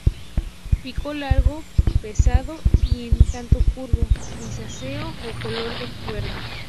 Pico largo, pesado y un tanto curvo, grisáceo o color de cuerno.